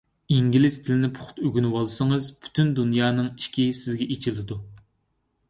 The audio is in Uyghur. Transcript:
ئىنگلىز تىلىنى پۇختا ئۆگىنىۋالسىڭىز، پۈتۈن دۇنيانىڭ ئىشىكى سىزگە ئېچىلىدۇ.